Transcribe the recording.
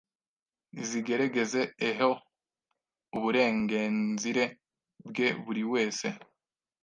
zigeregeze eho uburengenzire bwe buri wese